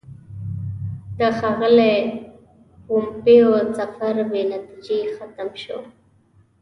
د ښاغلي پومپیو سفر بې نتیجې ختم شو.